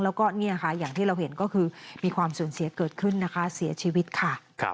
แล้วก็เนี่ยค่ะอย่างที่เราเห็นก็คือมีความสูญเสียเกิดขึ้นนะคะเสียชีวิตค่ะ